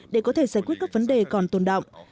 để có thể giải quyết các vấn đề còn tồn động